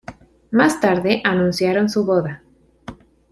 Más tarde anunciaron su boda.